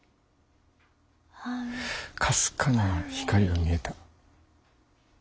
かすかな光が見えた。